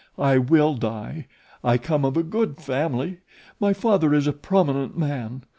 I will die! I come of a good family. My father is a prominent man.